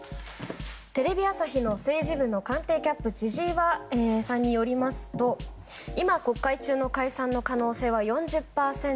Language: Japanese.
テレビ朝日政治部官邸キャップの千々岩さんによりますと今開催中の国会の解散の可能性は４０％。